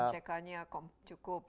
mck nya cukup lah